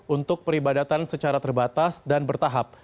untuk peribadatan secara terbatas dan bertahap